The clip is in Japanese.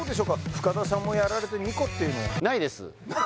深田さんもやられて２個っていうのは？